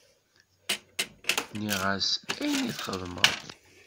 Nniɣ-as ayen i txedmeḍ.